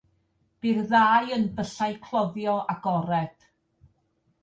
Bu'r ddau yn byllau cloddio agored.